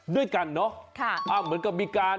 ด้วยกันเนาะค่ะอ้าวเหมือนกับมีการ